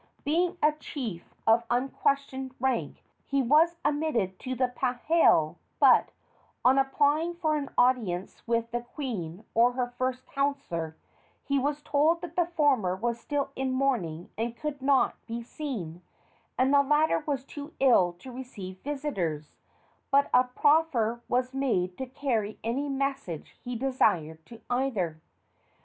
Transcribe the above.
Being a chief of unquestioned rank, he was admitted to the pahale, but, on applying for an audience with the queen or her first counsellor, was told that the former was still in mourning and could not be seen, and the latter was too ill to receive visitors; but a proffer was made to carry any message he desired to either.